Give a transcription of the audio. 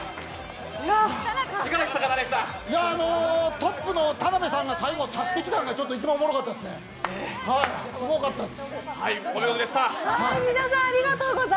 トップの田辺さんが最後、刺してきたんがちょっと一番おもろかったですねすごかったです。